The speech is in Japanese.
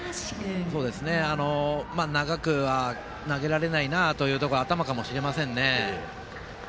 長くは投げられないなというところはあったかもしれませんね。